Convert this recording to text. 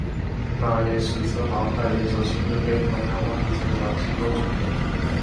一般而言十字滑块联轴器会配合弹簧以减少机构中的。